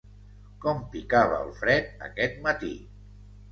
Com picava el fred aquest matí!